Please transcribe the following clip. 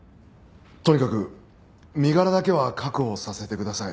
とにかく身柄だけは確保させてください。